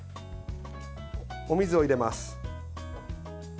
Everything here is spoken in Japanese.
お水を入れます。